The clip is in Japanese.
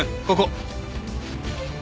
ここ。